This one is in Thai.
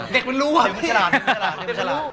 เด็กมันรู้อ่ะ